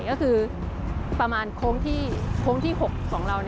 ก็คือประมาณโค้งที่๖ของเรา